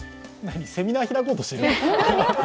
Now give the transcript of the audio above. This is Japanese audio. セミナーを開こうしてる？